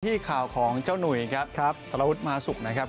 ที่ข่าวของเจ้าหนุ่ยครับสารวุฒิมาสุกนะครับ